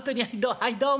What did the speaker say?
はいどうも。